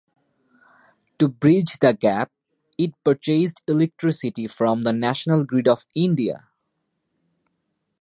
To bridge the gap, it purchased electricity from the national grid of India.